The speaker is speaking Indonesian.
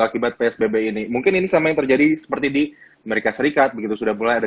akibat psbb ini mungkin ini sama yang terjadi seperti di amerika serikat begitu sudah mulai ada